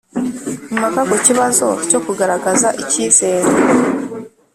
Impaka ku kibazo cyo kugaragaza icyizere